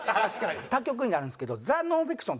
他局になるんですけど『ザ・ノンフィクション』